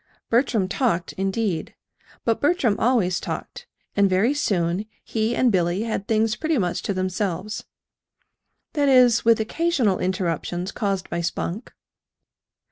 Bertram talked, indeed but Bertram always talked; and very soon he and Billy had things pretty much to themselves that is, with occasional interruptions caused by Spunk.